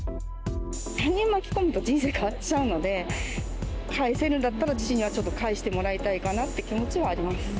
他人を巻き込むと、人生変わっちゃうので、返せるんだったら、父にはちょっと返してもらいたいかなっていう気持ちはあります。